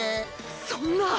そんな。